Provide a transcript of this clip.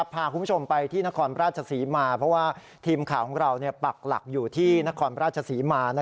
พาคุณผู้ชมไปที่นครราชศรีมาเพราะว่าทีมข่าวของเราปักหลักอยู่ที่นครราชศรีมา